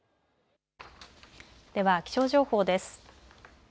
では気象情報です。